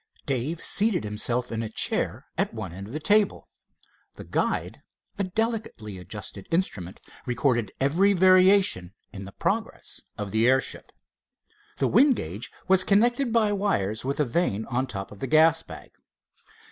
Dave seated himself in a chair at one end of the table. The guide, a delicately adjusted instrument, recorded every variation in the progress of the airship. The wind gauge was connected by wires with a vane on top of the gas bag.